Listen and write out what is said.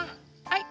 はい。